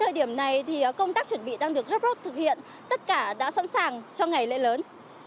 hôm nay thì công tác chuẩn bị đang được rớt rớt thực hiện tất cả đã sẵn sàng cho ngày lễ lớn